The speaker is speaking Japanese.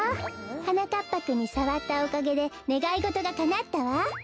はなかっぱくんにさわったおかげでねがいごとがかなったわ。